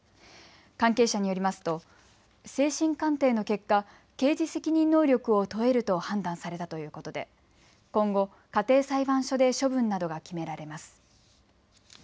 関係者によりますと精神鑑定の結果、刑事責任能力を問えると判断されたということで今後、家庭裁判所で処分などが決められます。